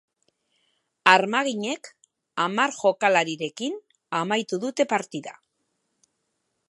Armaginek hamar jokalarirekin amaitu dute partida.